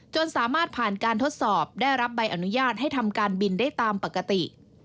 สามารถผ่านการทดสอบได้รับใบอนุญาตให้ทำการบินได้ตามปกติ